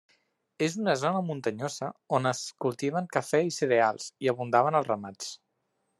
És una zona muntanyosa on es cultiven cafè i cereals, i abundaven els ramats.